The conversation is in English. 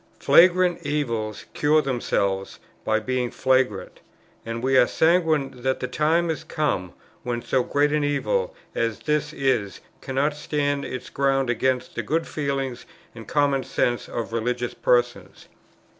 Flagrant evils cure themselves by being flagrant; and we are sanguine that the time is come when so great an evil as this is, cannot stand its ground against the good feeling and common sense of religious persons.